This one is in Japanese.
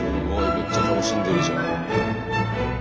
めっちゃ楽しんでるじゃん。